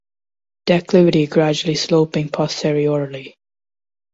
Declivity gradually sloping posteriorly.